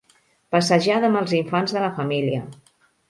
Passejada amb els infants de la família.